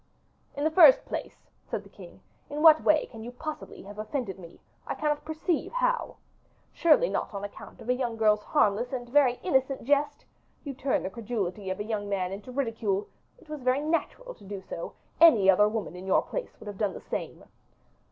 "In the first place," said the king, "in what way can you possibly have offended me? I cannot perceive how. Surely not on account of a young girl's harmless and very innocent jest? You turned the credulity of a young man into ridicule it was very natural to do so: any other woman in your place would have done the same."